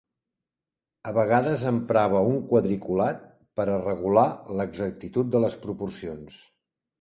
A vegades emprava un quadriculat per a regular l'exactitud de les proporcions.